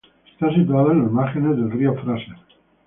Está situada en las márgenes del río Fraser.